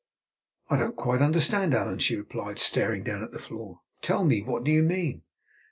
"I don't quite understand, Allan," she replied, staring down at the floor. "Tell me, what do you mean?"